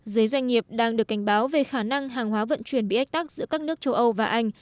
giới doanh nghiệp đang được cảnh báo về khả năng hàng hóa vận chuyển bị ách tắc giữa các nước châu âu và anh